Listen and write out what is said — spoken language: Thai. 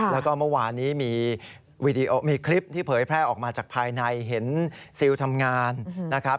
แล้วก็เมื่อวานนี้มีคลิปที่เผยแพร่ออกมาจากภายในเห็นซิลทำงานนะครับ